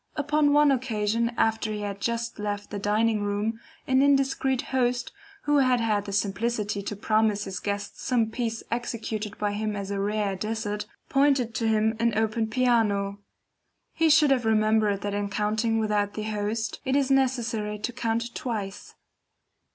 Upon one occasion after he had just left the dining room, an indiscreet host, who had had the simplicity to promise his guests some piece executed by him as a rare dessert, pointed to him an open piano. He should have remembered that in counting without the host, it is necessary to count twice.